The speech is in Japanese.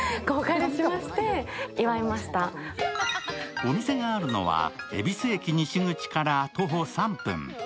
お店があるのは恵比寿駅西口から徒歩３分。